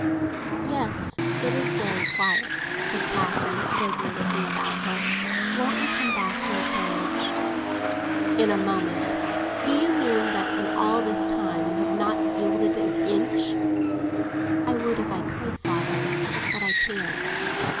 "Yes, it's very quiet," said Catherine vaguely, looking about her. "Won't you come back to the carriage?" "In a moment. Do you mean that in all this time you have not yielded an inch?" "I would if I could, father; but I can't."